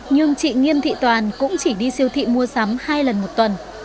nhưng chị nghiêm thị toàn cũng chỉ đi siêu thị mua sắm hai lần một tuần